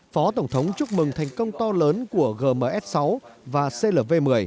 phó tổng thống chúc mừng thành công to lớn của gms sáu và clv một mươi